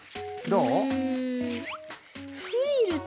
どう？